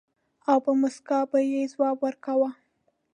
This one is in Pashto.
او په مُسکا به يې ځواب ورکاوه.